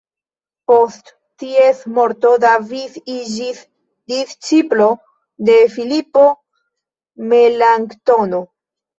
Post ties morto David iĝis disĉiplo de Filipo Melanktono.